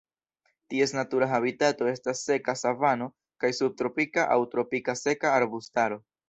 Ties natura habitato estas seka savano kaj subtropika aŭ tropika seka arbustaro.